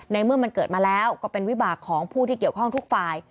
เมื่อมันเกิดมาแล้วก็เป็นวิบากของผู้ที่เกี่ยวข้องทุกฝ่าย